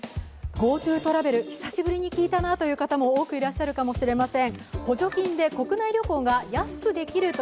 ＧｏＴｏトラベル、久しぶりに聞いたなという方、多くいらっしゃるかもしれません。